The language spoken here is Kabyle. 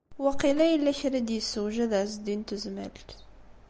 Waqila yella kra i d-yessewjad Ɛezdin n Tezmalt.